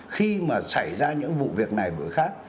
khi mà xảy ra những vụ việc này khác